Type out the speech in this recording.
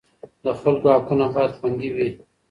د خلکو حقونه باید خوندي وي.